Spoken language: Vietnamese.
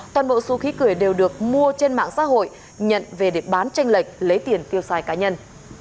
toàn bộ số khí cười đều được mua trên mạng xã hội nhận về để bán tranh lệch lấy tiền tiêu xài cá nhân